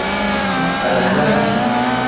Alahadi.